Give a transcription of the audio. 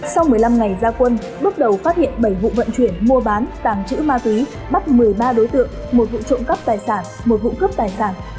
sau một mươi năm ngày gia quân bước đầu phát hiện bảy vụ vận chuyển mua bán tàng trữ ma túy bắt một mươi ba đối tượng một vụ trộm cắp tài sản một vụ cướp tài sản